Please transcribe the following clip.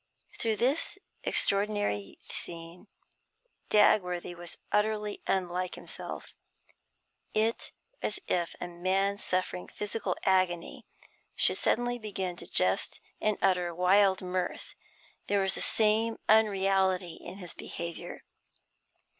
Through this extraordinary scene Dagworthy was utterly unlike himself. It was as if a man suffering physical agony should suddenly begin to jest and utter wild mirth; there was the same unreality in his behaviour.